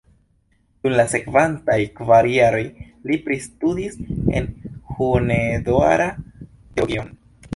Dum la sekvantaj kvar jaroj li pristudis en Hunedoara teologion.